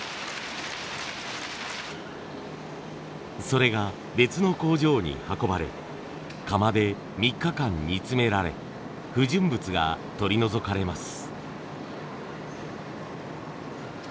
それが別の工場に運ばれ釜で３日間煮詰められ不純物が取り除かれます。